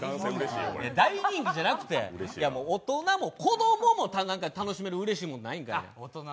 大人気じゃなくて、大人も子供も楽しめる、うれしいものないんか。